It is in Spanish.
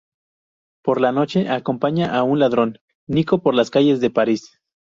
Por la noche, acompaña a un ladrón, Nico, por las calles de Paris.